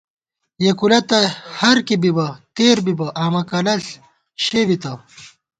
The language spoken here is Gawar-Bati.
یېکولہ تہ ہر کی بِبہ ، تېر بِبہ، آمہ کلݪ شے بِتہ